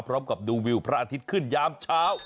พร้อมกับดูวิวพระอาทิตย์ขึ้นยามเช้า